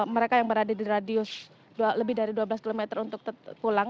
mereka yang berada di radius lebih dari dua belas km untuk pulang